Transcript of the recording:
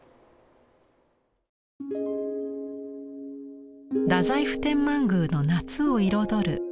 太宰府天満宮の夏を彩る花菖蒲。